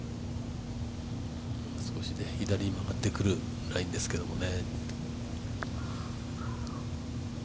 少し左に曲がってくるラインですけどね。